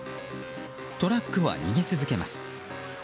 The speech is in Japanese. トラックは逃げ続けます。